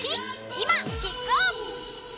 今、キックオフ！